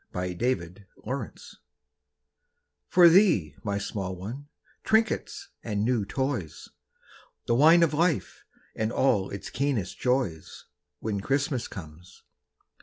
WHEN CHRISTMAS COMES For thee, my small one trinkets and new toys, The wine of life and all its keenest joys, When Christmas comes.